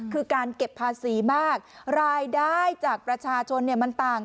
คือการเก็บภาษีมากรายได้จากประชาชนมันต่าง